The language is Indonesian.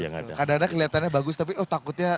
yang ada kadang kadang kelihatannya bagus tapi oh takutnya